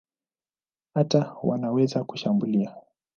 Hata wanaweza kushambulia.